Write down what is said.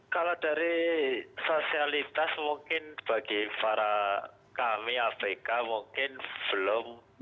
kalau dari sosialitas mungkin bagi para kami afk mungkin belum